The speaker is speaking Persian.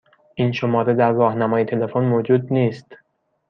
این شماره در راهنمای تلفن موجود نیست.